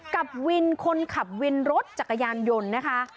กับวินคนขับวินรถจักรยานยนต์นะคะ